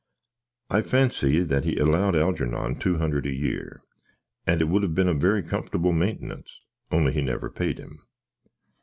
I phansy that he aloud Halgernon two hunderd a year; and it would have been a very comforable maintenants, only he knever paid him.